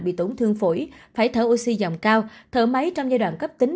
bị tổn thương phổi phải thở oxy dòng cao thở máy trong giai đoạn cấp tính